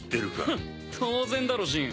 フッ当然だろジン。